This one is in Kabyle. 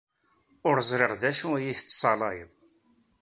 Ur ẓriɣ d acu i yi-tettsayaleḍ.